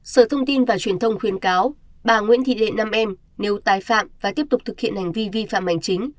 sở thông tin và truyền thông khuyên cáo bà nguyễn thị lệ nam em nếu tái phạm và tiếp tục thực hiện hành vi vi phạm hành chính